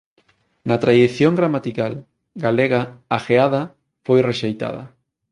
Na tradición gramatical galega a gheada foi rexeitada.